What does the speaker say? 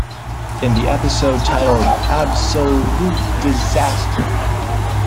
In the episode titled Absol-ute Disaster!